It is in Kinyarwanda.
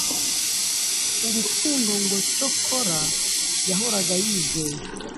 urukundo ngo cyokora yahoraga yizeye